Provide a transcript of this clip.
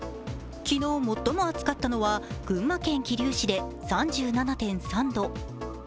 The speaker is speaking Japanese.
昨日、最も暑かったのは群馬県桐生市で３７．３度。